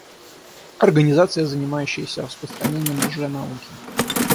Организация, занимающаяся распространением лженауки.